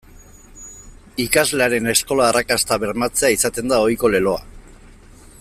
Ikaslearen eskola-arrakasta bermatzea izaten da ohiko leloa.